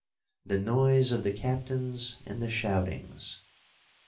'the noise of the captains, and the shoutings.'